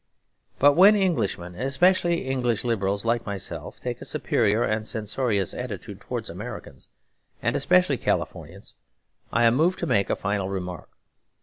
But when Englishmen, especially English Liberals like myself, take a superior and censorious attitude towards Americans and especially Californians, I am moved to make a final remark.